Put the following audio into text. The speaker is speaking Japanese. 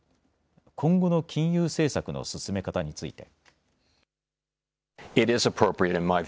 今後の金融政策の進め方について。